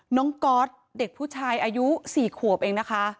ก๊อตเด็กผู้ชายอายุ๔ขวบเองนะคะ